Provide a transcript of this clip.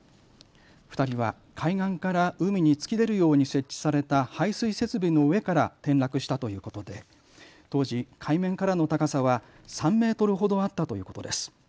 ２人は海岸から海に突き出るように設置された排水設備の上から転落したということで当時、海面からの高さは３メートルほどあったということです。